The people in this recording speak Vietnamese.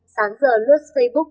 sáng giờ lướt facebook